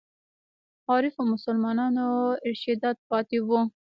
عارفو مسلمانانو ارشادات پاتې وو.